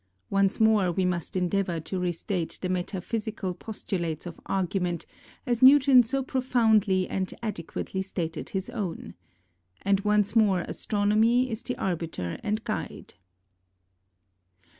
Once more we must endeavour to restate the metaphysical postulates of argument as Newton so profoundly and adequately stated his own. And once more astronomy is the arbiter and guide.